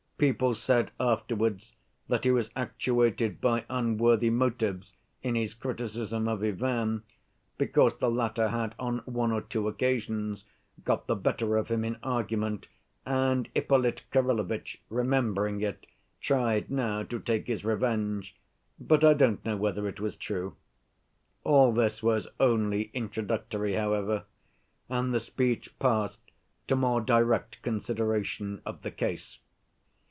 People said afterwards that he was actuated by unworthy motives in his criticism of Ivan, because the latter had on one or two occasions got the better of him in argument, and Ippolit Kirillovitch, remembering it, tried now to take his revenge. But I don't know whether it was true. All this was only introductory, however, and the speech passed to more direct consideration of the case.